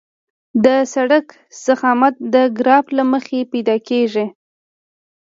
د سرک ضخامت د ګراف له مخې پیدا کیږي